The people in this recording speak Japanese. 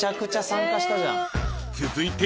［続いて］